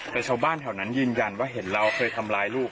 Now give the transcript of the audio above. แต่ชาวบ้านแถวนั้นยืนยันว่าเห็นเราเคยทำร้ายลูก